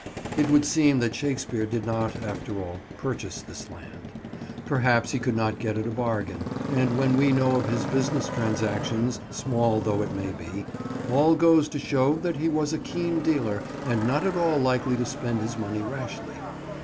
It would seem that Shakespeare did not, after all, purchase this land. Perhaps he could not get it a bargain, and what we know of his business transactions, small though it may be, all goes to show that he was a keen dealer and not at all likely to spend his money rashly.